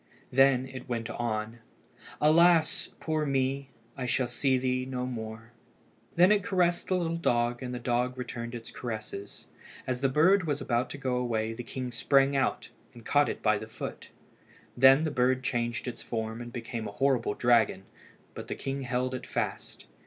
Then it went on "Alas! poor me! I shall see thee no more." Then it caressed the little dog, and the dog returned its caresses. As the bird was about to go away, the king sprang out and caught it by the foot. Then the bird changed its form and became a horrible dragon, but the king held it fast.